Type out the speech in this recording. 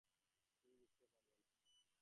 তুমি বুঝতে পারবে না।